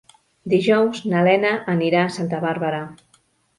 Dijous na Lena anirà a Santa Bàrbara.